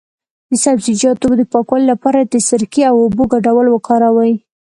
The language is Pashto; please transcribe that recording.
د سبزیجاتو د پاکوالي لپاره د سرکې او اوبو ګډول وکاروئ